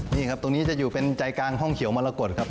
นี่ครับตรงนี้จะอยู่เป็นใจกลางห้องเขียวมรกฏครับ